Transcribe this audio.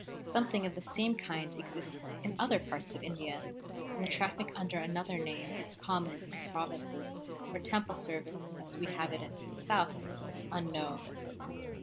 Something of the same kind exists in other parts of India, and the traffic under another name is common in provinces where Temple service as we have it in the South is unknown.